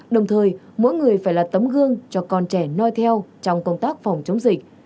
đồng thời mỗi người phải là tấm gương cho con trẻ noi theo trong công tác phòng chống dịch